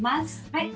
はい。